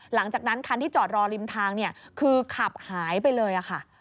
หลังจากนั้นคันที่จอดรอริมทางคือขับหายไปเลยค่ะ